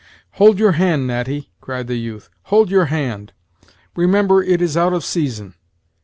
"Hold your hand, Natty!" cried the youth, "hold your hand; remember it is out of season."